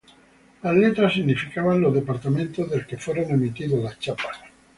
Las letras significaban los departamentos del que fueron emitidos las chapas:.